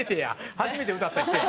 初めて歌った人や。